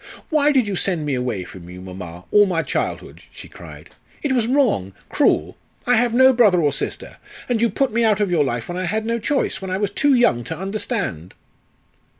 "Why did you send me away from you, mamma, all my childhood," she cried. "It was wrong cruel. I have no brother or sister. And you put me out of your life when I had no choice, when I was too young to understand."